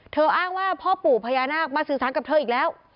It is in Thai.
อ้างว่าพ่อปู่พญานาคมาสื่อสารกับเธออีกแล้ว